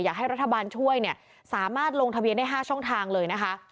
อยากให้รัฐบาลช่วยเนี่ยสามารถลงทะเบียนได้๕ช่องทางเลยนะคะ